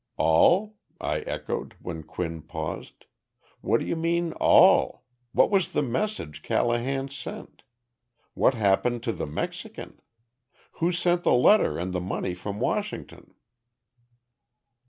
"All?" I echoed, when Quinn paused. "What do you mean, 'all'? What was the message Callahan sent? What happened to the Mexican? Who sent the letter and the money from Washington?"